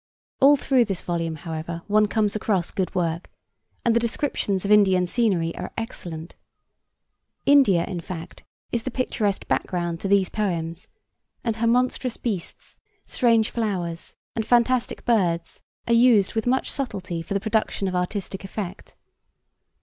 All through this volume, however, one comes across good work, and the descriptions of Indian scenery are excellent. India, in fact, is the picturesque background to these poems, and her monstrous beasts, strange flowers and fantastic birds are used with much subtlety for the production of artistic effect.